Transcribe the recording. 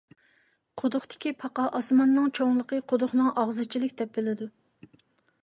قۇدۇقتىكى پاقا، ئاسماننىڭ چوڭلۇقى قۇدۇقنىڭ ئاغزىچىلىك دەپ بىلىدۇ.